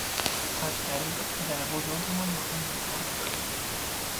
از طریق پدر بزرگمان با هم نسبت داریم.